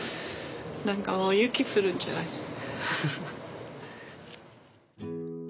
何かもう雪降るんじゃない？